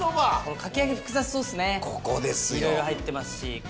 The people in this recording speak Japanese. いろいろ入ってますし。